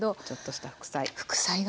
ちょっとした副菜。